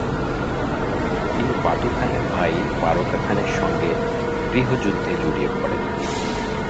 তিনি বাতু খানের ভাই বারকা খানের সাথে গৃহযুদ্ধে জড়িয়ে পড়েন।